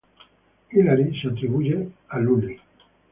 Hilaire, se atribuye a Lully.